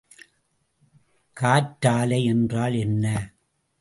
காற்றாலை என்றால் என்ன?